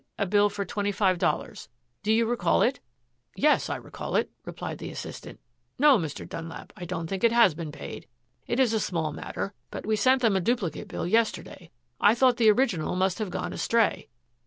a bill for twenty five dollars. Do you recall it?" "Yes, I recall it," replied the assistant. "No, Mr. Dunlap, I don't think it has been paid. It is a small matter, but we sent them a duplicate bill yesterday. I thought the original must have gone astray."